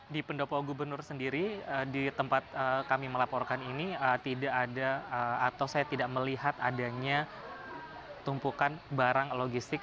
di pendopo gubernur sendiri di tempat kami melaporkan ini tidak ada atau saya tidak melihat adanya tumpukan barang logistik